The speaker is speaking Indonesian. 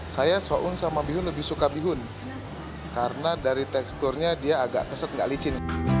saya soun sama bihun lebih suka bihun karena dari teksturnya dia agak keset nggak licin